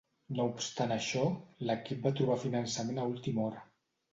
No obstant això, l'equip va trobar finançament a última hora.